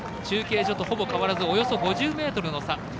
中継所とほぼ変わらずおよそ５０ｍほどの差。